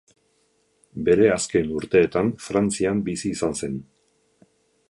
Bere azken urteetan Frantzian bizi izan zen.